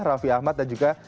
raffi ahmad dan juga